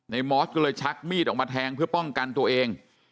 มอสก็เลยชักมีดออกมาแทงเพื่อป้องกันตัวเอง